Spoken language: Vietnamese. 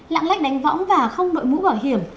lạng lách đánh võng và không đội mũ bảo hiểm